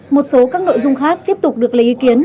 một số các nội dung khác tiếp tục được lấy ý kiến